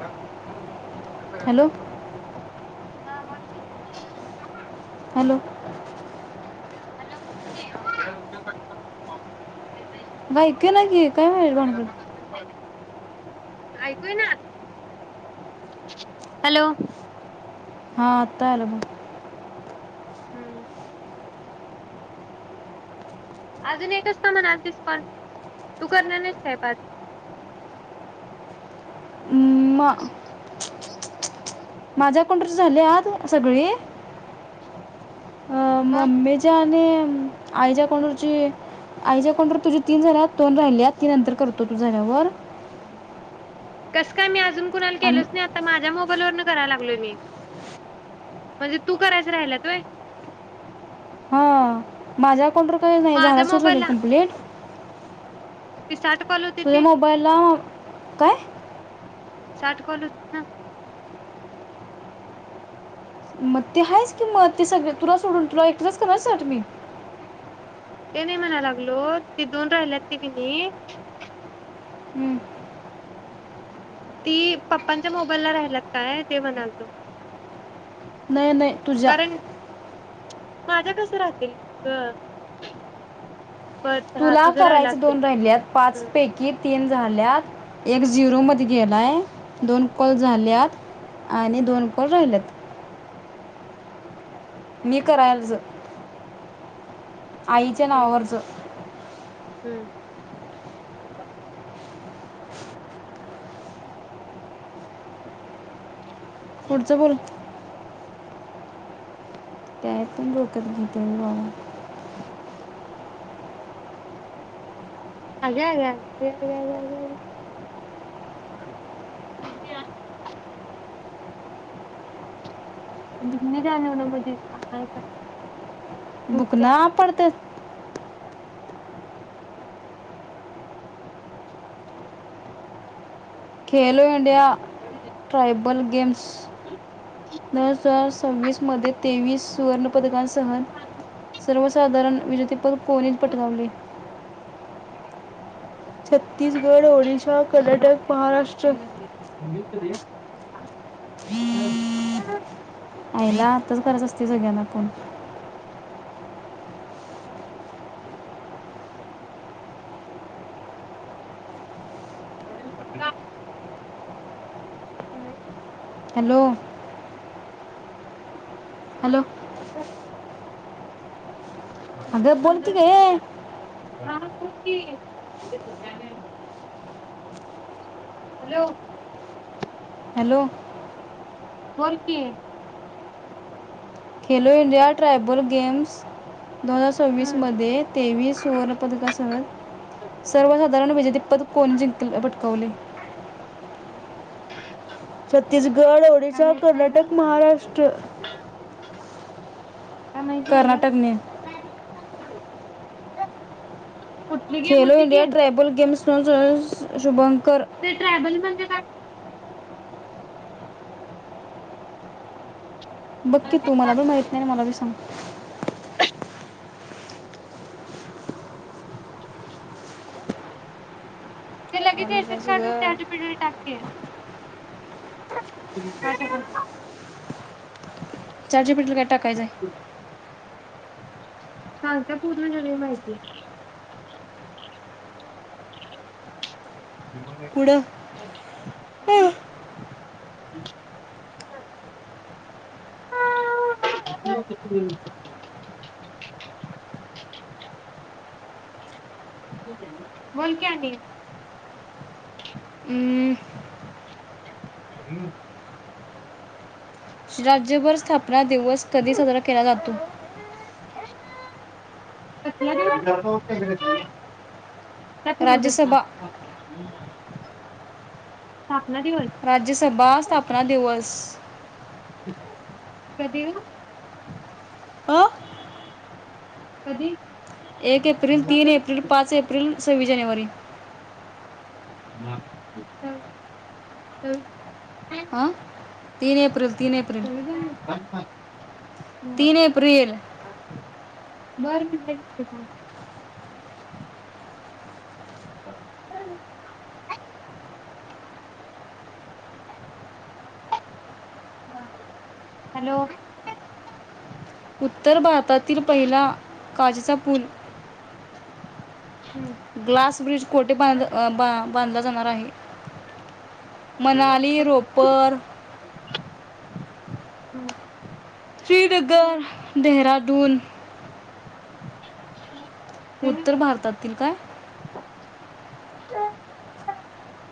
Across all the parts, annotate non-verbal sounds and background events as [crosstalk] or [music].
का हॅलो अ हा बोलते हॅलो ॅ [inaudible] गायके ना की काय माहिती भानगड आयक ना हॅलो हा आता आलं मग हम्म अजून एकच का म्हणा आज स्काउंट तू करणार नाहीच कापात म माझ्या कोंडरी झाले आत सगळी अ मग ममी जा आईच्या अकाउंटर आईच्या अकाउंटर तुझ्या तीन झाल्या दोन राहिले तीन नंतर करतो तू झाल्यावर कसं काय मी अजून आणि गलोच नाही आता माझ्या कराय लागलोय मी म्हणजे तू करायच राहिला तय हां माझ्या को काही नाही झा सो कं्प्लीट तेि सारट तु ममा बदला काय साठ कॉल होत ना? मग ते आहेच की मग ते सगळे तुला सोडून तुला एकटीलाच कराय साठ मी. ते नाही म्हणाय लागलो ते दोन राहिल्यात ती कीनी हम्म. ती पप्पांच्या मोबाईलला राहिलत काय ते म्हणालतो नाही नाही तुझ्या माझं कस राहतील ग? बर हा तुला तुझं राहिला करायच असतील दोन राहिल्यात पाच हम्म पैकी तीन झाल्यात एक झिरोमध्ये गेलाय दोन कॉल झाल्यात आणि दोन कॉल राहिल्यात मी करायल ज आईच्या नावावरचं हम्म. पुढचं बोल ह त्याय पण लोकत घेत [unintelligible] अय्या या या या या या [unintelligible] [unintelligible] जाणे हो ना म्हजेय का बुक ना पडतेत खेलो इंडिया ट्रायबल गेम्स दसस सव्वीसमध्ये तेवीस सुवर्णपदकां ह सर्व साधारण विजतीेपद कोणी पटकावले? [inaudible] छत्तीसगड ओडिसा कर्नाटक महाराष्ट्र हू दे आईला आत्ताच करायचे असते सगळ्यांना फोन. [inaudible] ह हॅलो हॅलो अगं बोल की ग ये. बोल की, हॅलो. हॅलो. बोल की. खेलो इंडिया ट्रायबल गेम्स दोन हजार सव्वीस मध्ये तेवीस सुवर्ण पदकासह हम्म सर्वसाधारण विजेते पद कोण जिंकल? पटकवले. छत्तीसगड काय ओडिसा माहित नाही ग कर्नाटक काय महाराष्ट्र. माहित नाही ग कर्नाटकने कुठली गेम खेलो होती ती इंडया ट्राबल गेम्स शुभम ते ट्रॅबल म्हंद का बघकी तू मला ब माहित नाही मलाी सांग ते लगे मी काय सगळं तेशचडून ॅड पिड टाके [inaudible] चारज पडली टाकायच सांगत पूर्ण नवी माहिती पुढं [inaudible] ह. बोल क्यानी अं, ह ना. राज्यभर स्थापना दिवस. कधी साजरा केला जातो. [inaudible] तत र उद ह. राज्यसभा राज्यसभा स्थापना दिवस. कध अ कधी? एक एप्रिल तीन चौदा एप्रिल पाच एप्रिल सव्वीस जानेवारी. हां [inaudible] तीन एप्रल. सविधा तीन एप्रिल. बर मिनट का? हम्. हॅलो. उत्तर भारतातील पहिला काजचा पूल. ग्लास ब्रिज कोटे बांध ब बांधला जाणार आहे. मनाली रोपर हम्म. श्रीडगर देरा [unintelligible] दोन. ह [inaudible] उत्तर भारतातील काय? ह [unintelligible]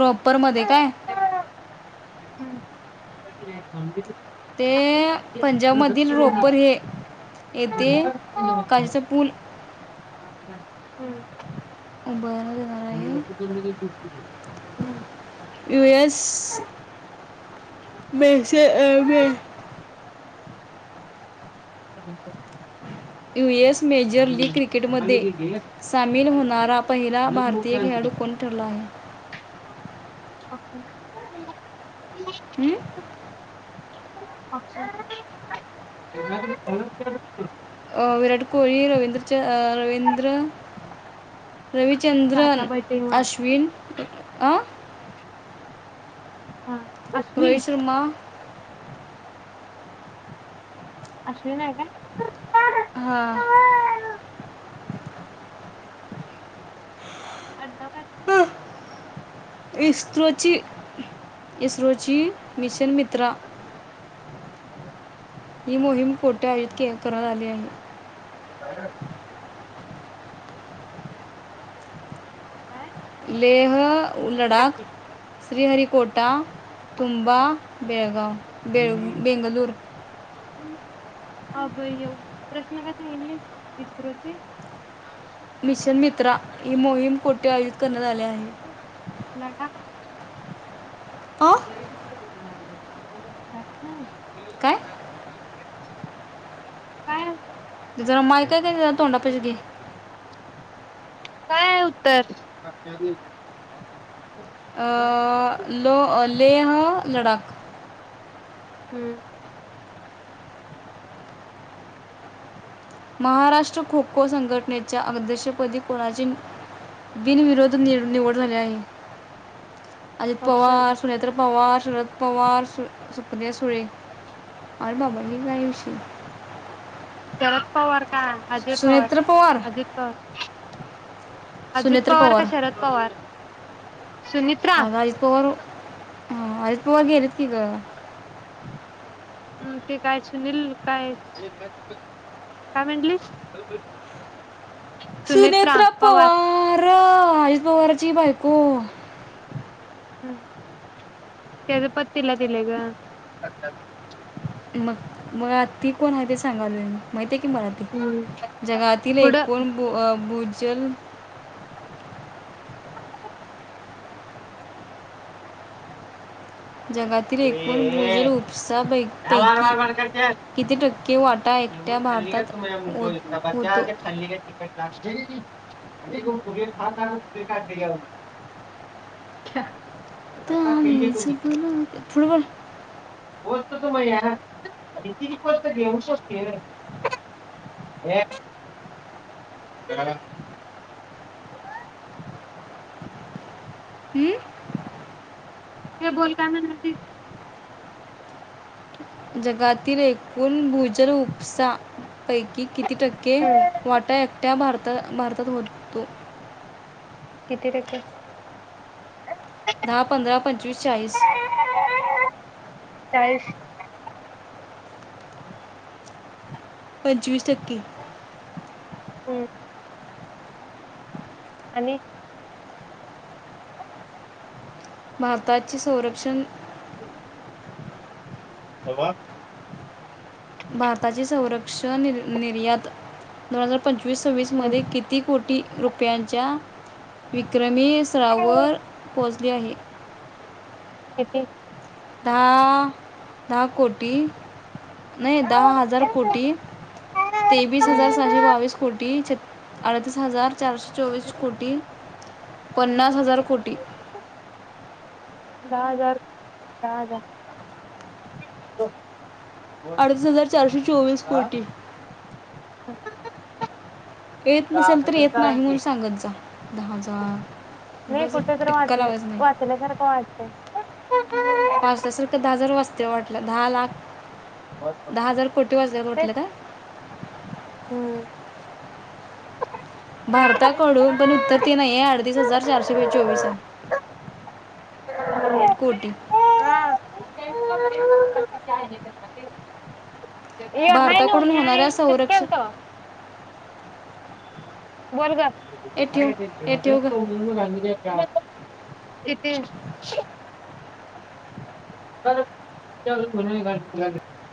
रोप्परमध्ये काय? [inaudible] ते पंजाबमधील रोपर हे येथे काशीचे पूल. हम्म. उभर नक [unintelligible] यूएस. मेसे M A. Hum [unintelligible] US major league क्रिकेटमध्ये सामील होणारा पहिला भारतीय खेळाडू कोण ठरला आहे. हं? अच्छा. [unintelligible] अं, विराट कोहळी रवींद्रच्या रवींद्र. आता रविचंद्रन ब तेव्हा अश्विन. हा. अश्विन रोहित शर्मा. अश्विन आहे काय. हा. आडनाव काय त्यांचं. ईस्त्रो ची इस्रोची मिशन मित्रा ही मोहीम कोठे आयोजित करण्यात आली आहे. हा [unintelligible] काय. लेह लडाख. श्री हरी कोटा तुंबा बेळगाव. बे बेंगलूर. अभय येऊ प्रश्न काय सांगितले इस्रोचे. मिशन मित्रा ही मोहीम कोठे आयोजित करण्यात आली आहे. लडाख. अ जर काय [unintelligible] काय [unintelligible] तुझा माईक हाय काय कनी तोंडापशी घे. काय आहे उत्तर. अ लो. लेह लडाख. हम्म. महाराष्ट्र खो खो संघटनेच्या अध्यक्षपदी कोणाचे बिनविरोध. निव निवड झाली आहे. अजित ऑप्शन पवार सुनेत्रा पवार. शरद पवार सु सुप्रिया सुळे आणि बाबाजी हयो काय विषय. शरद पवार. हा अजित पवार अजित पवार. अजित सुनेत्र पवार का शरद पवार सुनित्रा आग अजप वार ह अजल्पवा हम्म येरत क का अम ते काय सुनील काय काय म्हंटलीस सुनेत्रा पवार ख अजित पवारची बायको ह त्याच्या पत्तीला दिले ग मग मग आ ती कोण आहे ते सांगाल मग ते मराठी हम्म जगातील पुढं एकूण जल जगातील एकूण भोजल उपसा बै ह्या वार वार बरकायूर वाटा एकट्या खाल्ली का भारतात तुम्ही मुको ब होत- होतो खाल्ली का ख काढ फुटबॉल वस्त तू मा या ति पस्त घेऊ शकते हं? हे बोलताना न जगातील एकूण भूजल उपसा पै किती टक्के वाट्या एकट्या भारात आता भारतात होतो किती टक्के दहा पंधरा पंचवीस चाळीस चाळीस पंचवीस तक्क हकी हम्म आणि भारताचे संरक्षण होे हवा भारताची संरक्षण निर्यात दोन हजार पंचवीस सव्वीस हम्म मध्ये किती कोटी रुपयांच्या विक्रम मीसरावर पोच द केते दहा दहा कोटी नाही दहा हजार कोटी तेवीस हजार सहाशे बावीस कोटी अडतीस हजार चारशे चोवीस कोटी पन्नास हजार कोटी दहा हजार, दहा हजार- अडीच हजार चारशे चोवीस कोटी. होम [unintelligible] येत नसेल, तर येत नाही म्हण सांगत जा, दहा नाही हजार, कुठे तर टिक्का वाचले लावायच नाही. वाचल्यासारखं वाटतंय. पावसल्यासारखं दहा हजार वाजते वा [unintelligible] टलं दहा लाख बर बर दहा हजार कोटी वाजल्या तेच म्हटलं का [unintelligible] हम्म भारताकडून पण उत्तर ते नाही आहे, अडतीस हजार चारशे चोवीस आहे. ये कोटी- का त्यामध्ये- आहे भारताकडून होणाऱ्या न संरक्षण सकमत [unintelligible] बरगा ए [unintelligible] ठेव ए ठेव गं गांध [unintelligible] इथे. का [unintelligible]